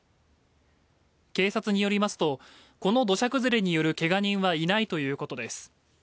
警察によりますとこの土砂崩れによるけが人はいないということです